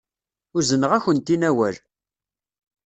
Uzneɣ-akent-in awal.